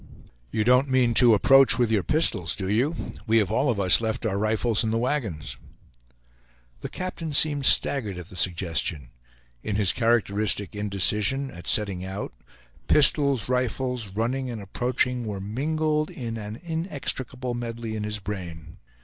"You don't mean to 'approach' with your pistols, do you? We have all of us left our rifles in the wagons." The captain seemed staggered at the suggestion. In his characteristic indecision, at setting out, pistols, rifles, "running" and "approaching" were mingled in an inextricable medley in his brain.